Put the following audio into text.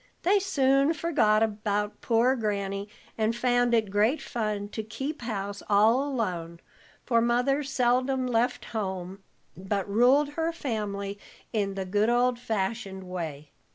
They soon forgot poor Granny, and found it great fun to keep house all alone, for Mother seldom left home, but ruled her family in the good old fashioned way.